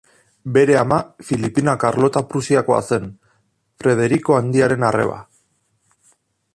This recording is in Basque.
Bere ama Filipina Karlota Prusiakoa zen, Frederiko Handiaren arreba.